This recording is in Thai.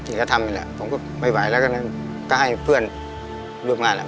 อีกครั้งแล้วเขาก็มากี่คนทำ